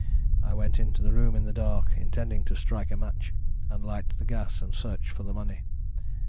I went into the room in the dark, intending to strike a match, and light the gas, and search for the money.